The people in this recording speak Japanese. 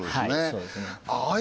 そうですねああ